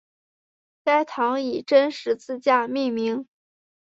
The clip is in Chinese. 该堂以真十字架命名。